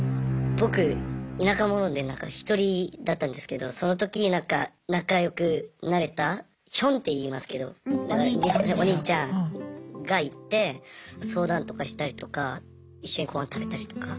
僕田舎者で１人だったんですけどその時仲良くなれたヒョンっていいますけどお兄ちゃんがいて相談とかしたりとか一緒に御飯食べたりとか。